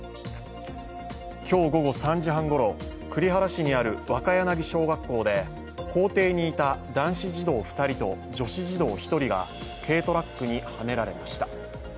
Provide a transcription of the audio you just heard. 今日午後３時半ごろ、栗原市にある若柳小学校で校庭にいた男子児童２人と女子児童１人が軽トラックにはねられました。